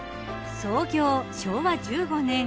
創業昭和１５年。